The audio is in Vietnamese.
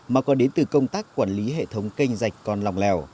mà còn đến từ công tác quản lý hệ thống canh dạch còn lòng lèo